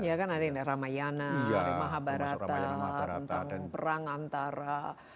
ya kan ada ramayana mahabharata tentang perang antara